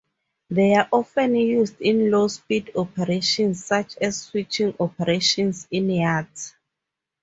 They are often used in low-speed operations such as switching operations in yards.